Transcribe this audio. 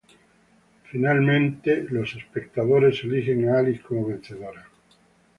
Finalmente, los espectadores eligen a Alice como vencedora.